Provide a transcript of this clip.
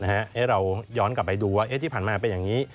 ให้เราย้อนกลับไปดูว่าที่ผ่านมาเป็นอย่างนี้